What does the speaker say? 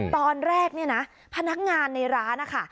ตอนแรกเนี่ยนะพนักงานในร้านนะคะ